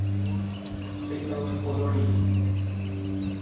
Bydlel v Podolí.